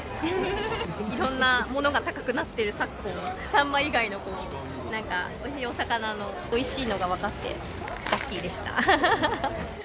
いろんなものが高くなっている昨今、サンマ以外の、なんかおいしい、お魚のおいしいのが分かってラッキーでした。